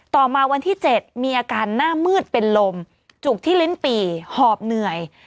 ต่อมาวันที่๗มีอาการหน้ามืดเป็นลมจุกที่ลิ้นปี่หอบเหนื่อย